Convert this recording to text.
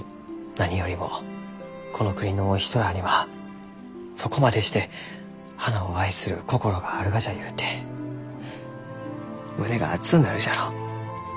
何よりもこの国のお人らあにはそこまでして花を愛する心があるがじゃゆうてフッ胸が熱うなるじゃろう？